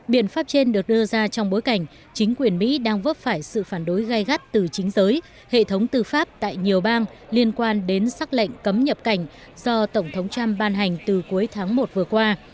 biện pháp trên được đưa ra trong bối cảnh chính quyền mỹ đang vấp phải sự phản đối gai gắt từ chính giới hệ thống tư pháp tại nhiều bang liên quan đến xác lệnh cấm nhập cảnh do tổng thống trump ban hành từ cuối tháng một vừa qua